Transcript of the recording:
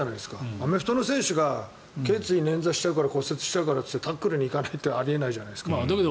アメフトの選手が頸椎捻挫しちゃうから骨折しちゃうからってタックルに行かないってあり得ないじゃないですか。